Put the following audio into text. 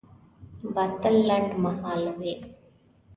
باطل لنډمهاله وي.